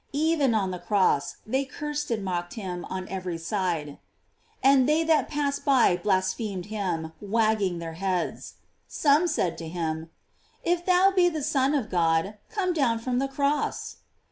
Even on the cross they cursed and mocked him on every side: "And they that passed by blasphemed him, wagging their heads."f Some said to him: "If thou be the Son of God, come down from the cross."